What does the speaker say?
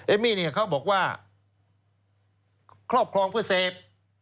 มี่เนี่ยเขาบอกว่าครอบครองเพื่อเสพ